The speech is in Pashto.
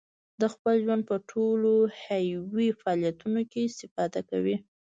د خپل ژوند په ټولو حیوي فعالیتونو کې استفاده کوي.